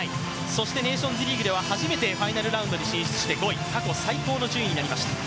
そしてネーションズリーグでは初めてファイナルラウンドに進出して５位、過去最高の順位になりました。